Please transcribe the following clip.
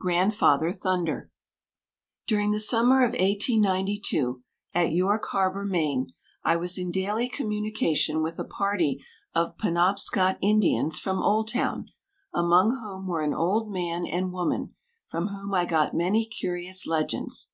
GRANDFATHER THUNDER During the summer of 1892, at York Harbor, Maine, I was in daily communication with a party of Penobscot Indians from Oldtown, among whom were an old man and woman, from whom I got many curious legends.